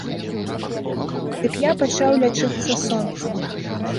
Дык я пачаў лячыцца сонцам.